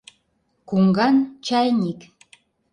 Куҥган — чайник.